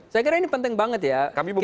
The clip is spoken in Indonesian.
saya kira ini penting banget ya